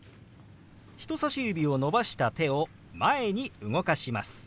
人さし指を伸ばした手を前に動かします。